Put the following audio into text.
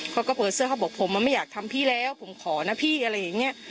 เขาก็เปิดเสื้อเขาบอกผมไม่อยากทำพี่แล้วผมขอนะพี่อะไรอย่างนี้